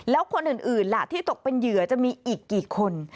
แล้วคนอื่นล่ะที่ตกเป็นเหยื่อจะมีอีกกี่คน